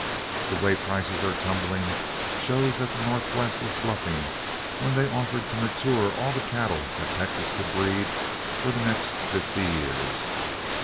The way prices are tumbling shows that the Northwest was bluffing when they offered to mature all the cattle that Texas could breed for the next fifty years.